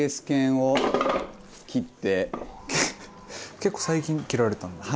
結構最近切られたんですか？